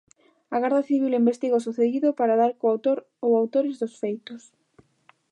A Garda Civil investiga o sucedido para dar co autor ou autores dos feitos.